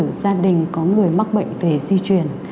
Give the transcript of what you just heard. nếu gia đình có người mắc bệnh về di truyền